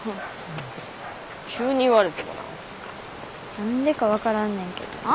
何でか分からんねんけどな。